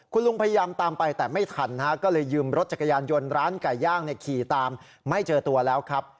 คุณลุงพยายามตามไปแต่ไม่ทันก็เลยยืมรถจักรยานยนต์ร้านไก่ย่างขี่ตามไม่เจอตัวแล้วครับ